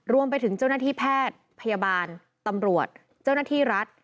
รวมไปถึงเจ้าหน้าที่แพทย์พยาบาลตำรวจเจ้าหน้าที่รัฐ